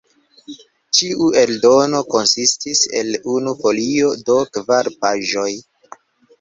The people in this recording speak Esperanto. Ĉiu eldono konsistis el unu folio, do kvar paĝoj.